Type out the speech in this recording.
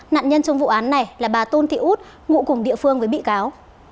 nạn nhân trong vụ án này là bà tôn thị út ngụ cùng địa phương với bị cáo